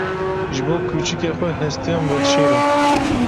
Ji bo kûçikê xwe hestiyan vedişêre.